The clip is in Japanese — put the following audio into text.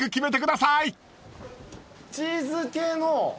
チーズ系の。